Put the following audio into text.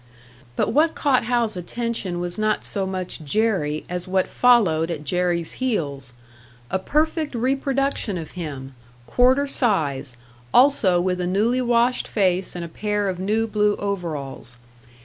But what caught Hal's attention was not so much Jerry as what followed at Jerry's heels; a perfect reproduction of him, quarter size, also with a newly washed face and a pair of new blue overalls.